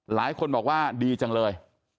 หลายคนบอกว่าดีจังเลย